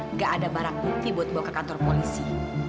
nggak ada barang bukti buat bawa ke kantor polisi